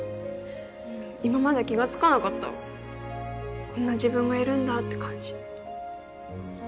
今まで気がつかなかったこんな自分がいるんだーって感じ